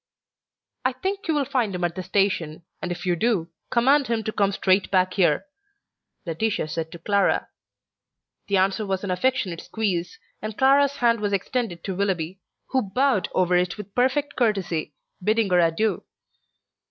"I think you will find him at the station, and if you do, command him to come straight back here," Laetitia said to Clara. The answer was an affectionate squeeze, and Clara's hand was extended to Willoughby, who bowed over it with perfect courtesy, bidding her adieu.